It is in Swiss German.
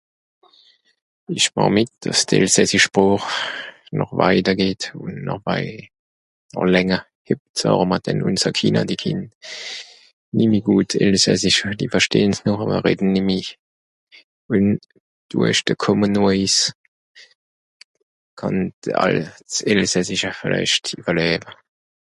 Ìch màch mìt, dàss d'Elsassisch Sproch, noch weiter geht ùn (...) oo länger gìbbt, (...) ùnsre Kìnder, die kenne nìmmi gùt elsassisch, sie verstehn noch àwer redde nìmmi. ùn do ìsch de Common Voice, kànn de al... s'Elsassischa vìlleicht ìwwerläwe.